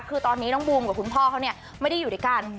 คือตอนนี้น้องบูมกับคุณพ่อเขาเนี่ยไม่ได้อยู่ด้วยกัน